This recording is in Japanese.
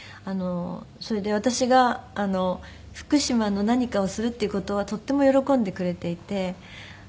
それで私が福島の何かをするっていう事はとっても喜んでくれていて。